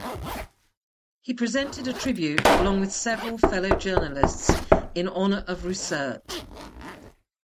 He presented a tribute, along with several fellow journalists, in honor of Russert.